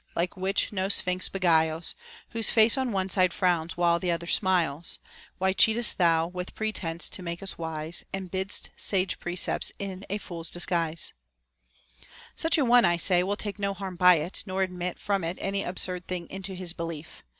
like which no sphinx beguiles ; Whose face on one side frowns while th' other smiles ! Why cheat'st thou, with pretence to make us wise, And bid'st sage precepts in a fool's disguise q — TO HEAR POEMS. 47 such a one, I say, will take no harm by it, nor admit from it any absurd thing into his belief.